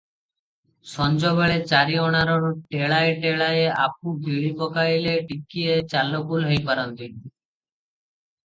ସଞ୍ଜବେଳେ ଚାରି ଅଣାର ଟେଳାଏ ଟେଳାଏ ଆପୁ ଗିଳି ପକାଇଲେ ଟକିଏ ଚାଲବୁଲ ହେଇ ପାରନ୍ତି ।